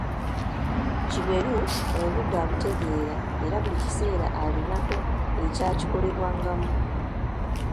Kiberu obudde abutegeera era buli kiseera alinako ekyakikolebwangamu.